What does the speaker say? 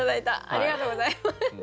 ありがとうございます。